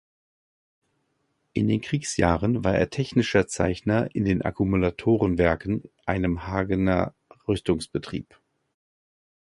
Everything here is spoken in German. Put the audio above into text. In den Kriegsjahren war er Technischer Zeichner in den Akkumulatoren-Werken, einem Hagener Rüstungsbetrieb.